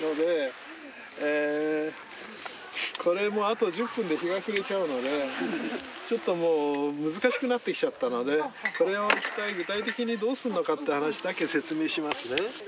あと１０分で日が暮れちゃうので難しくなってきちゃったのでこれを具体的にどうするのかって話だけ説明しますね。